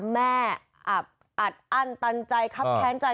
แม่อัดอันตันใจคับแค้นใจ